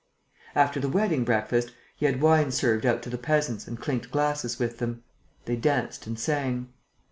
After the wedding breakfast, he had wine served out to the peasants and clinked glasses with them. They danced and sang.